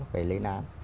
phải lấy đáng